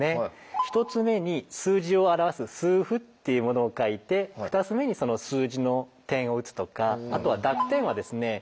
１つ目に数字を表す数符っていうものを書いて２つ目にその数字の点を打つとかあとは濁点はですね